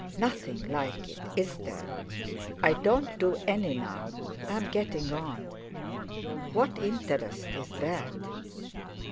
"Nothing like it, is there? I don't do any now. I'm getting on. What interest is that?"